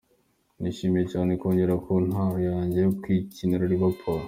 "Nishimiye cyane kongera kontaro yanjye yo gukinira Liverpool.